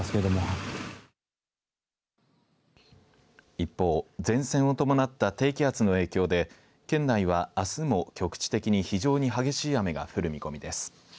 一方、前線を伴った低気圧の影響で県内はあすも局地的に非常に激しい雨が降る見込みです。